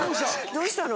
どうしたの？